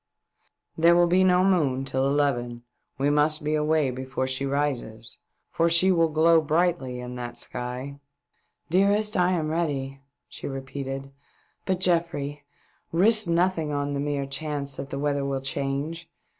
" There will be no moon till eleven ; we must be away before she rises, for she will glow brightly in that sky." " Dearest, I am, ready," she repeated. " But, GeofTrey, risk nothing on the mere chance that the weather will change.